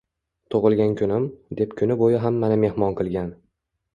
Tug‘ilgan kunim, deb kun bo‘yi hammani mehmon qilgan